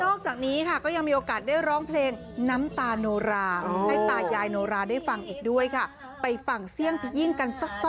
จากนี้ค่ะก็ยังมีโอกาสได้ร้องเพลงน้ำตาโนราให้ตายายโนราได้ฟังอีกด้วยค่ะไปฟังเสียงพี่ยิ่งกันสัก